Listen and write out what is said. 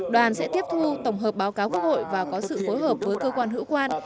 đoàn sẽ tiếp thu tổng hợp báo cáo quốc hội và có sự phối hợp với cơ quan hữu quan